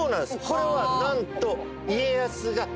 これは何と。